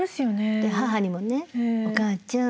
で母にもね「おかあちゃん。